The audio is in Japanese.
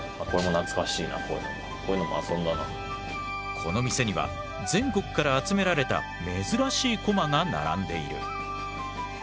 この店には全国から集められた珍しいコマが並んでいる。